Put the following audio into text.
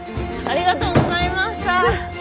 ありがとうございます。